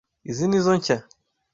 Izo nizo nshya.